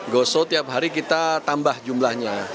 go show tiap hari kita tambah jumlahnya